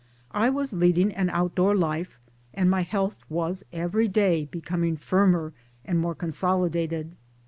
I was leading an outdoor life, and my health was every day becoming firmer and more consolidated.